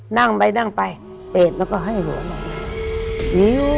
นั่งไปเทพมันก็ให้หัวหน่อย